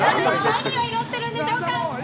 何を祈ってるんでしょうか。